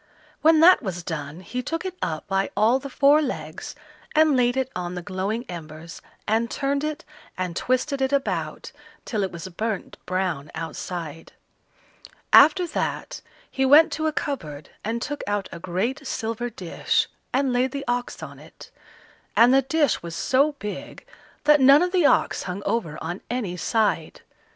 When that was done, he took it up by all the four legs and laid it on the glowing embers, and turned it and twisted it about till it was burnt brown outside. After that, he went to a cupboard and took out a great silver dish, and laid the ox on it; and the dish was so big that none of the ox hung over on any side.